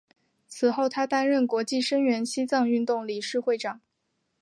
此后他担任国际声援西藏运动理事会长。